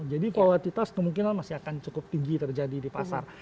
jadi volatilitas kemungkinan masih akan cukup tinggi terjadi di pasar